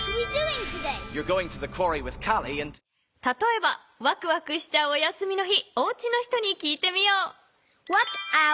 たとえばわくわくしちゃうお休みの日おうちの人に聞いてみよう。